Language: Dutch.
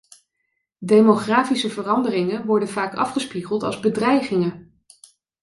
Demografische veranderingen worden vaak afgespiegeld als bedreigingen.